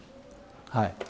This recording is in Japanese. はい。